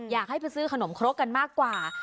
อยากให้ไปซื้อขนมครกกันมากกว่า